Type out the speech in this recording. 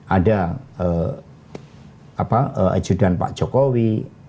ada ajudan pak jokowi